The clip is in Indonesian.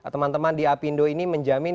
teman teman di apindo ini menjamin